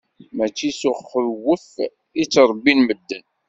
Mačči s uxewwef i ttṛebbin medden.